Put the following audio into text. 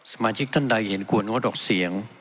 สมาชิกท่านใดเห็นควรงดออกเสียง